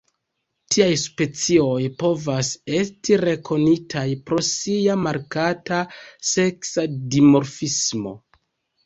Tiaj specioj povas esti rekonitaj pro sia markata seksa dimorfismo.